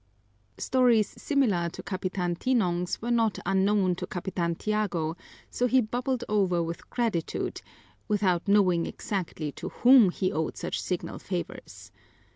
Stories similar to Capitan Tinong's were not unknown to Capitan Tiago, so he bubbled over with gratitude, without knowing exactly to whom he owed such signal favors.